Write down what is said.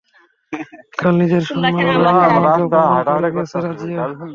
কাল নিজের সম্মান বাড়িয়ে আমাকে অপমান করে গেছে রাজিয়া।